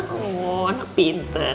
aduh anak pinter